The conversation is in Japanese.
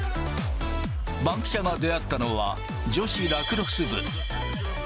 バンキシャが出会ったのは、女子ラクロス部。